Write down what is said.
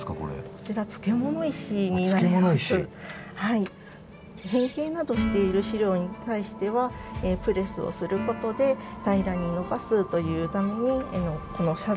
こちら漬物石？変形などしている資料に対してはプレスをすることで平らに伸ばすというためにこの作業をしています。